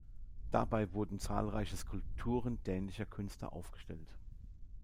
Dabei wurden zahlreiche Skulpturen dänischer Künstler aufgestellt.